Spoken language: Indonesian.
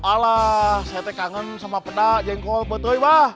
alah saya tek kangen sama peda jengkol betoy bah